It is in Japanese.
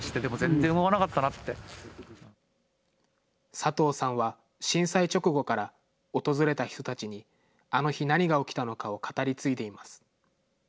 佐藤さんは震災直後から、訪れた人たちに、あの日、何が起きたのかを語り継いでいます。